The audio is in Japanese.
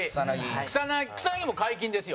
草薙も皆勤ですよ。